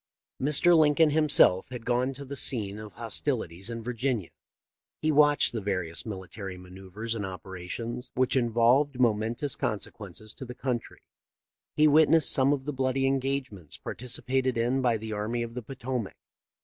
Mr. Lincoln himself had gone to the scene of hostilities in Virginia. He watched the various military manoeuvres and operations, which involved momentous consequences to the country ; he wit nessed some of the bloody engagements participated in by the army of the Potomac.